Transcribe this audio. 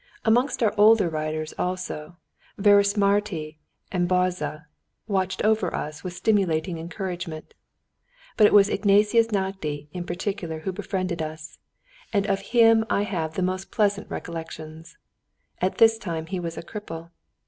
Amongst our older writers also, Vörösmarty and Bajza watched over us with stimulating encouragement; but it was Ignatius Nagy in particular who befriended us, and of him I have the most pleasant recollections.... At this time he was a cripple.